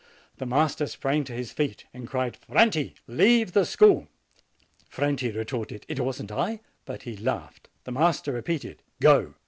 The master sprang to his feet, and cried: "Franti, leave the school !" Franti retorted, "It wasn't I"; but he laughed. The master repeated : "Go!"